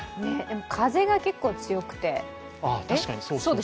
風が結構強くて。